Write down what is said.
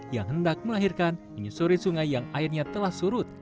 yang hendak melahirkan menyusuri sungai yang airnya telah surut